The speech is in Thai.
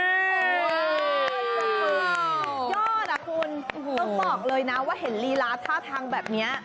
สุดยอดอ่ะคุณต้องบอกเลยนะว่าเห็นลีลาท่าทางแบบนี้